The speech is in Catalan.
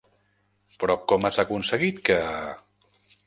Però com has aconseguit que...?